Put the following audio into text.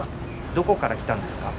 どこから来たんですか？